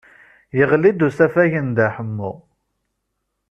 Yeɣli-d usafag n Dda Ḥemmu.